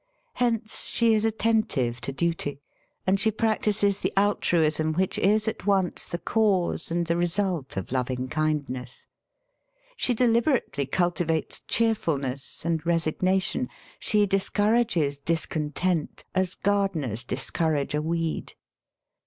Hence she is attentive to duty^ and she practises the altruism which is at once the cause and the result of loving kindness. She deliberately culti vates cheerfulness and resignation; she discour ages discontent as gardeners discourage a weed.